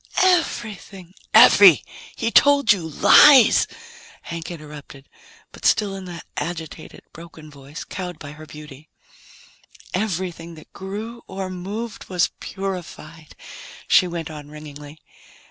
Everything " "Effie, he told you lies!" Hank interrupted, but still in that same agitated, broken voice, cowed by her beauty. "Everything that grew or moved was purified," she went on ringingly.